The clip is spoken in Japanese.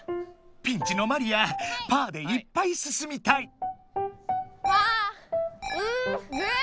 ピンチのマリア「パー」でいっぱいすすみたい！